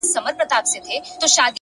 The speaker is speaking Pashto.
ریښتینی قوت له اصولو ساتنې ښکاري,